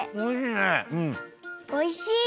おいしい！